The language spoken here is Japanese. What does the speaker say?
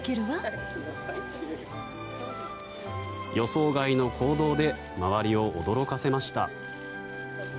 予想外の行動で周りを驚かせました。